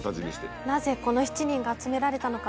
なぜこの７人が集められたのか？